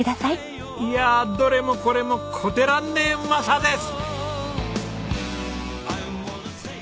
いやあどれもこれもこてらんねえうまさです！